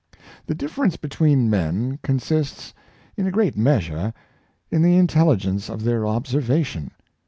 The difference between men consists, in a great meas ure, in the intelligence of their observation.